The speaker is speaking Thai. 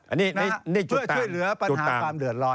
อันนี้ช่วยเหลือปัญหาความเดือดร้อน